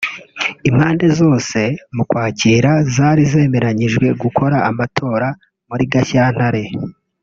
Impande zose mu Ukwakira zari zemeranyijwe gukora amatora muri Gashyantare